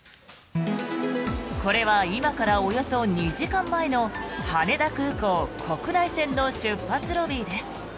これは今からおよそ２時間前の羽田空港国内線の出発ロビーです。